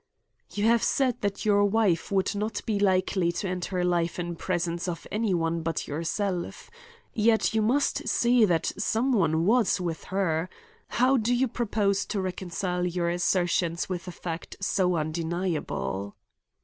"You have said that your wife would not be likely to end her life in presence of any one but yourself. Yet you must see that some one was with her. How do you propose to reconcile your assertions with a fact so undeniable?"